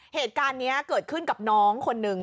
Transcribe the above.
เหตุการณ์นี้เกิดขึ้นกับน้องคนนึง